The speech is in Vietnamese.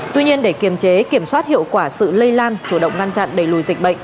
tuy nhiên để kiểm soát hiệu quả sự lây lan chủ động ngăn chặn đầy lùi dịch bệnh